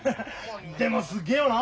でもすげえよな。